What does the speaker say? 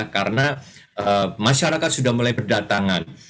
karena masyarakat sudah mulai berdatangan